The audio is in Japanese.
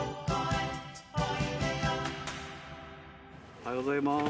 おはようございます。